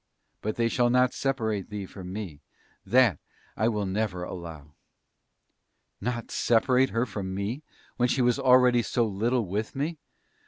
But they shall not separate thee from me.... That I will never allow!" Not separate her from me when she was already so little with me!